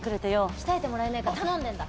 鍛えてもらえねえか頼んでんだ。